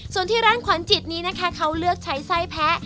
ส่วนที่ร้านขวัญจิตนี้นะคะเขาเลือกใช้ไส้แพ้